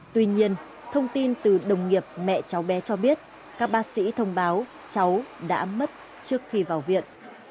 tuy nhiên thông tin từ đồng nghiệp mẹ cháu bé cho biết các bác sĩ thông báo cháu đã mất trước khi vào viện